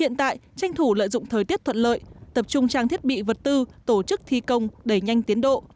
hiện tại tranh thủ lợi dụng thời tiết thuận lợi tập trung trang thiết bị vật tư tổ chức thi công đẩy nhanh tiến độ